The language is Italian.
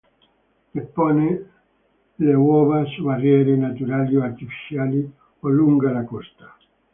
Depone le uova su barriere naturali o artificiali o lunga la costa.